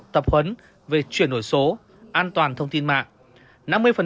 tập huấn về chuyển đổi số an toàn thông tin mạng